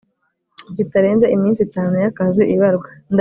kitarenze iminsi itanu y akazi ibarwa